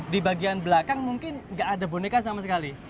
di bagian belakang mungkin nggak ada boneka sama sekali